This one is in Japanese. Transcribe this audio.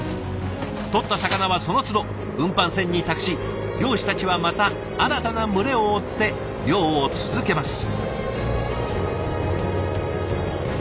とった魚はそのつど運搬船に託し漁師たちはまた新たな群れを追って漁を続けます。